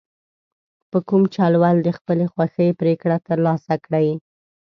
په کوم چل ول د خپلې خوښې پرېکړه ترلاسه کړي.